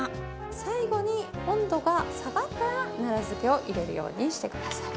最後に温度が下がったら、奈良漬けを入れるようにしてください。